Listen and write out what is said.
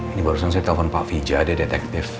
ini barusan saya telpon pak fija dia detektif